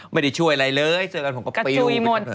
ไม่ได้ช่วยอะไรเลยเสือกันฝนเป็นเปรี้ยว